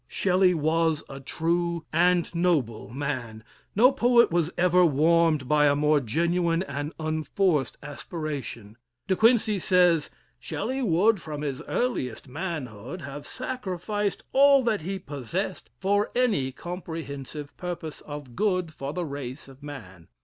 Shelley was a true and noble man no poet was ever warmed by a more genuine and unforced aspiration. De Quincey says, "Shelley would, from his earliest manhood, have sacrificed all that he possessed for any comprehensive purpose of good for the race of man.